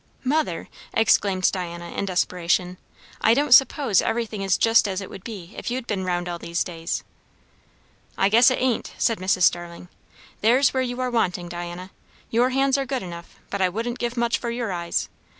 "Mother," exclaimed Diana in desperation, "I don't suppose everything is just as it would be if you'd been round all these days." "I guess it ain't," said Mrs. Starling. "There's where you are wanting, Diana. Your hands are good enough, but I wouldn't give much for your eyes.